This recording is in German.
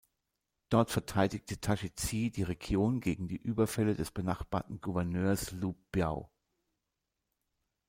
Dort verteidigte Taishi Ci die Region gegen die Überfälle des benachbarten Gouverneurs Liu Biao.